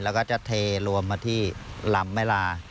แล้วก็จะเทรวมมาที่ลำแม่ลา